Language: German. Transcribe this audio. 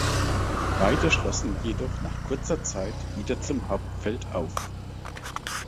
Beide schlossen jedoch nach kurzer Zeit wieder zum Hauptfeld auf.